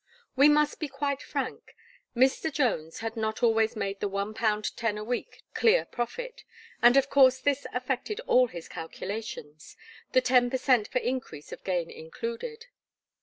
We must be quite frank: Mr. Jones had not always made the one pound ten a week dear profit; and of course this affected all his calculations: the ten per cent for increase of gain included.